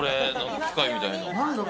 機械みたいな。